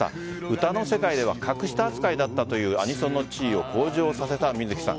歌の世界では格下扱いだったというアニソンの地位を向上させた水木さん。